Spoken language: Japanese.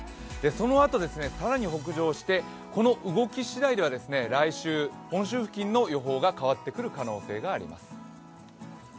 そのあと更に北上して、この動きしだいでは、来週、本州付近の予報が変わってくる可能性があります。